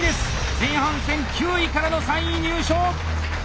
前半戦９位からの３位入賞！